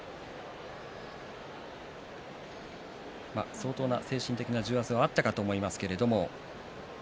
相当な精神的な重圧はあったかと思いますけれども。